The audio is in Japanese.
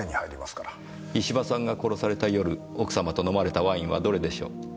石場さんが殺された夜奥様と飲まれたワインはどれでしょう？